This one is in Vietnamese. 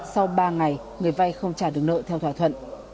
sau ba ngày người vay không trả được nợ theo thỏa thuận